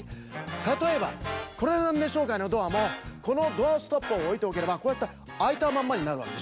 たとえばコレナンデ商会のドアもこのドアストッパーをおいておければこうやってあいたまんまになるわけでしょ？